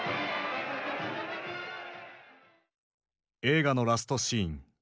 映画のラストシーン。